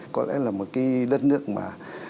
có lẽ là một cái đất nước mà